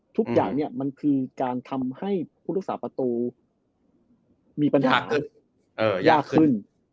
ทุกอย่างมันคือการทำให้พุทธศาสตร์ประตูมีปัญหายากขึ้น